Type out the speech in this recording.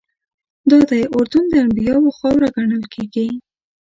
دادی اردن د انبیاوو خاوره ګڼل کېږي.